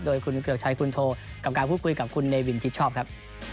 โดยคุณเกลือกชัยคุณโทกับการพูดคุยกับคุณเนวินชิดชอบครับ